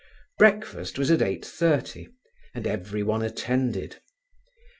Breakfast was at eight thirty, and everyone attended.